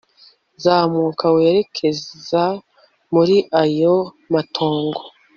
zamuka werekeza muri ayo matongo